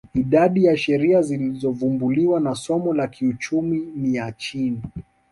Idadi ya sheria zilizovumbuliwa na somo la kiuchumi ni ya chini